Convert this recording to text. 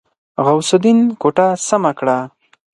غوث الدين کوټه سمه کړه.